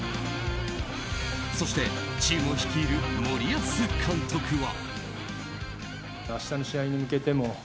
そしてチームを率いる森保監督は。